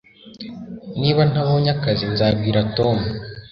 niba ntabonye akazi, nzabwira tom